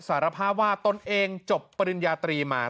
สารภาพว่าตนเองจบปริญญาตรีมา